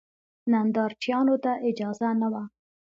نندارچیانو ته اجازه نه وه.